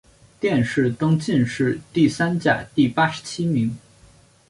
殿试登进士第三甲第八十七名。